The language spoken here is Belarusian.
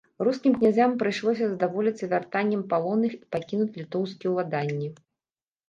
Рускім князям прыйшлося здаволіцца вяртаннем палонных і пакінуць літоўскія ўладанні.